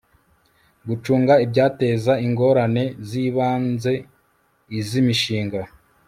gucunga ibyateza ingorane z ibanze iz imishinga